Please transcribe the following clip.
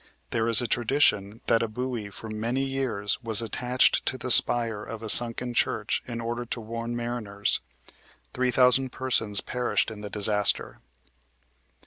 There is a tradition that a buoy for many years was attached to the spire of a sunken church in order to warn mariners. Three thousand persons perished in the disaster.